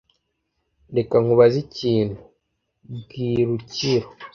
Reka nkubaze ikintu, Bwirukiro.